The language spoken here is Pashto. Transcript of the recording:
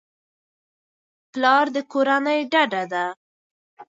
پلار د کورنۍ ډډه ده.